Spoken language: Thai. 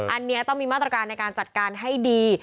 อันนี้ต้องมีมาตรการในการจัดการให้ดี